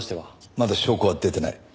まだ証拠は出てない。